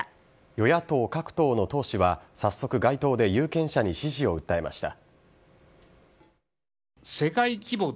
与野党各党の党首は早速、街頭で有権者に支持を訴えました。